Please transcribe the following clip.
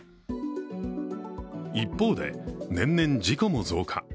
一方で、年々事故も増加。